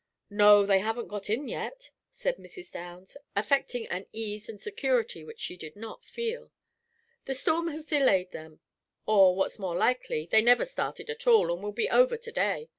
"No, they haven't got in yet," said Mrs. Downs, affecting an ease and security which she did not feel. "The storm has delayed them, or, what's more likely, they never started at all, and will be over to day.